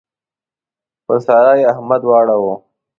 پر سارا يې احمد واړاوو.